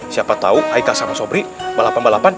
siapa tau haikal sama sobri balapan balapan